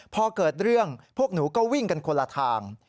พอเกิดเรื่องพวกหนูก็วิ่งกันคนละทาง